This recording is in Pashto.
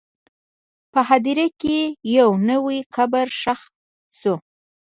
په هدیره کې یو نوی قبر ښخ شو.